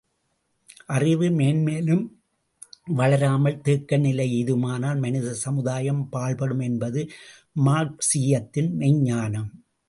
அறிவு, மேன்மேலும் வளராமல் தேக்க நிலை எய்துமானால் மனித சமுதாயம் பாழ்படும் என்பது மார்க்சீயத்தின் மெய்ஞ்ஞானம்.